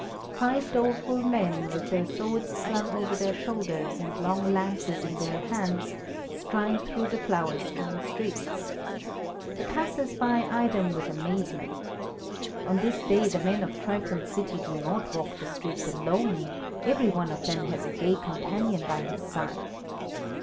Five doleful men, with their swords slung over their shoulders and long lances in their hands, stride through the flower strewn streets. The passers by eye them with amazement. On this day the men of Triton's city do not walk the streets alone, every one of them has a gay companion by his side.